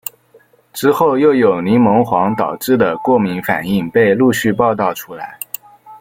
之后又有柠檬黄导致的过敏反应被陆续报道出来。